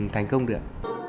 thành công được